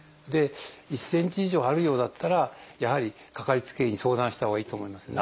１センチ以上あるようだったらやはりかかりつけ医に相談したほうがいいと思いますね。